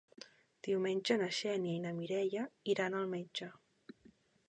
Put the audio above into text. Diumenge na Xènia i na Mireia iran al metge.